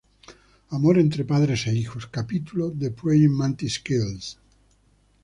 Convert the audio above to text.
Amor entre padres e hijos: Capítulo "The Praying Mantis Kills".